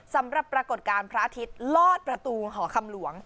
ปรากฏการณ์พระอาทิตย์ลอดประตูหอคำหลวง